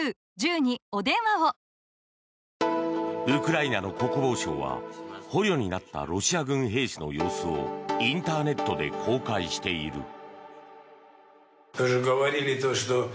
ウクライナの国防省は捕虜になったロシア軍兵士の様子をインターネットで公開している。